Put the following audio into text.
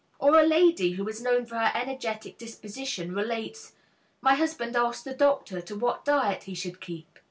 Or a lady who is known for her energetic disposition, relates, "My husband asked the doctor to what diet he should keep.